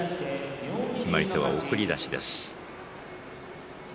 決まり手は送り出しです。